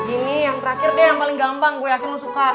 gini yang terakhir deh yang paling gampang gue yakin lo suka